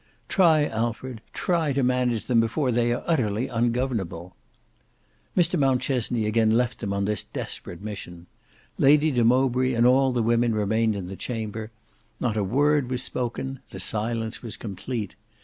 Try Alfred, try to manage them before they are utterly ungovernable." Mr Mountchesney again left them on this desperate mission. Lady de Mowbray and all the women remained in the chamber. Not a word was spoken: the silence was complete.